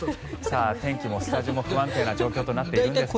天気もスタジオも不安定な状況となってきましたが。